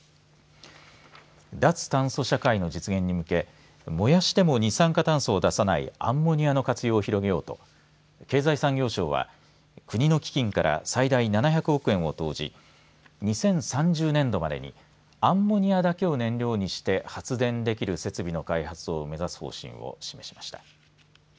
脱炭素社会の実現に向け燃やしても二酸化炭素を出さないアンモニアの活用を広げようと経済産業省は国の基金から最大７００億円を投じ２０３０年度までにアンモニアだけを燃料にして発電できる設備の開発を目指す方針を示しました。